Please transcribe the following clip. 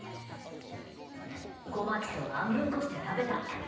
こまちと半分こして食べた。